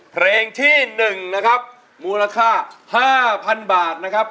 เพลงที่๑นะครับมูลค่า๕๐๐๐บาทนะครับ